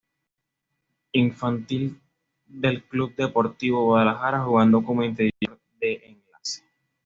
Infantil del Club Deportivo Guadalajara, jugando como interior de enlace.